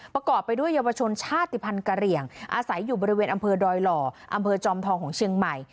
ประกอบไปด้วยเยาวชนชาติภัณฑ์กะเหลี่ยงอาศัยอยู่บริเวณอำเภอดอยหล่ออำเภอจอมทองของเชียงใหม่